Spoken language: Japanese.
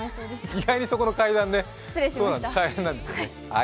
意外にそこの階段、大変なんですよね。